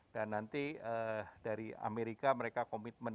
dan nanti dari amerika mereka komitmen dua